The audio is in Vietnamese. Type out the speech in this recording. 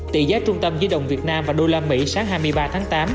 tỷ giá trung tâm giữa đồng việt nam và usd sáng hai mươi ba tháng tám